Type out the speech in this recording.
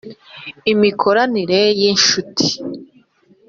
’imikoranire y’inshuti